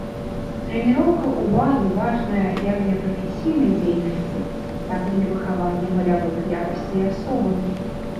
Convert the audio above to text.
Трэніроўка ўвагі важная як для прафесійнай дзейнасці, так і для выхавання валявых якасцей асобы.